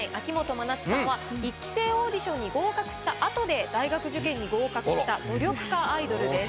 真夏さんは一期生オーディションに合格した後で大学受験に合格した努力家アイドルです。